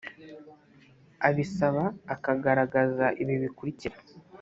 abisaba akagaragaza ibi bikurikira: